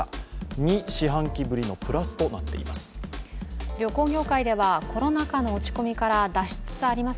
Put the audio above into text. ２四半期ぶりのプラスとなっています。